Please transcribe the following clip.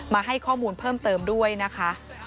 มาให้ข้อมูลเพิ่มเติมด้วยนะคะ